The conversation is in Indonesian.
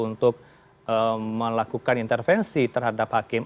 untuk melakukan intervensi terhadap hakim